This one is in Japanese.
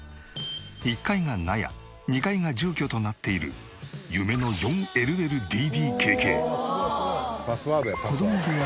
１階が納屋２階が住居となっている夢の４ＬＬＤＤＫＫ。